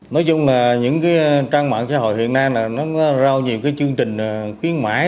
nói chung là những cái trang mạng xã hội hiện nay là nó có rất nhiều cái chương trình khuyến mãi